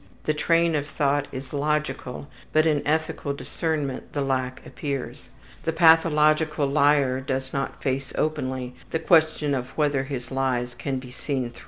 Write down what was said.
The train of thought is logical, but in ethical discernment the lack appears. The pathological liar does not face openly the question of whether his lies can be seen through.